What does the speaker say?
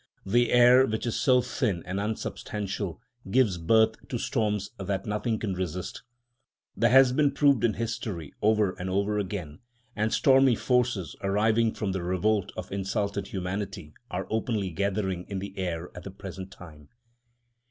The air which is so thin and unsubstantial gives birth to storms that nothing can resist. This has been proved in history over and over again, and stormy forces arising from the revolt of insulted humanity are openly gathering in the air at the present time.